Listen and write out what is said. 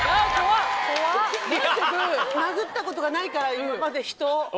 殴ったことがないから今まで人を。